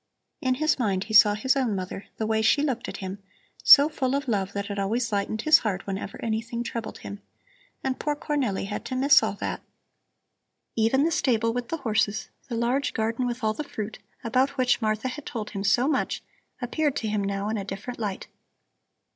In his mind he saw his own mother, the way she looked at him, so full of love that it always lightened his heart whenever anything troubled him. And poor Cornelli had to miss all that! Even the stable with the horses, the large garden with all the fruit, about which Martha had told him so much, appeared to him now in a different light.